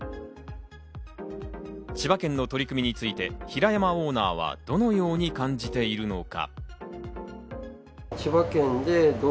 千葉県の取り組みについて平山オーナーはどのように感じているのか。